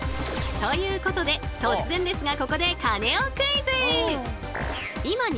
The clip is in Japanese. ということで突然ですがここでさあカネオクイズでございます。